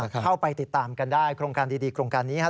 เข้าไปติดตามกันได้โครงการดีโครงการนี้ครับ